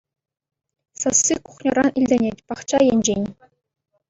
Сасси кухньӑран илтӗнет, пахча енчен.